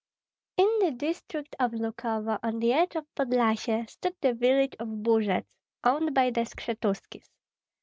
In the district of Lukovo, on the edge of Podlyasye, stood the village of Bujets, owned by the Skshetuskis.